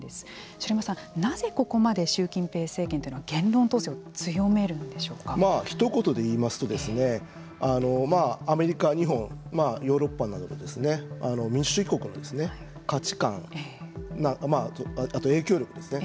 城山さん、なぜここまで習近平政権というのはひと言で言いますとアメリカ、日本ヨーロッパの民主主義国の価値観影響力ですね。